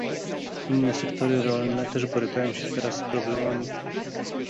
Inne sektory rolne też borykają się teraz z problemami